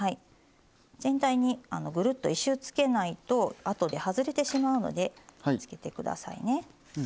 全体にぐるっと１周つけないとあとで外れてしまうのでつけてくださいね。